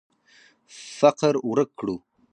فقر ورک کړو.